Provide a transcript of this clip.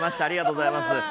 ありがとうございます。